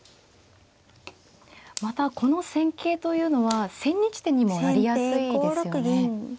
またこの戦型というのは千日手にもなりやすいですよね。